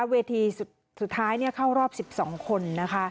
เวทีสุดท้ายเข้ารอบ๑๒คน